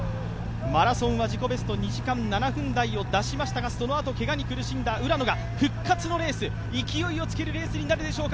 マラソンは自己ベスト２時間７分台を出しましたがそのあと、けがに苦しんだ浦野が復活のレース勢いをつけるレースになるでしょうか。